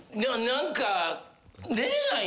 何か。